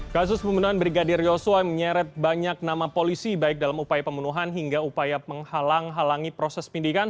kasus pembunuhan brigadir yosua menyeret banyak nama polisi baik dalam upaya pembunuhan hingga upaya menghalang halangi proses penyidikan